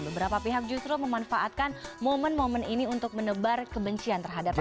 beberapa pihak justru memanfaatkan momen momen ini untuk menebar kebencian terhadap